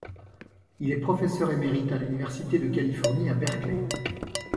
Il est professeur émérite à l'université de Californie à Berkeley.